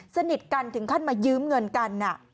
สนิทกันถึงขั้นมายืมเงินกัน